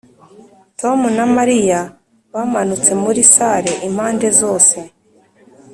tom na mariya bamanutse muri salle, impande zose.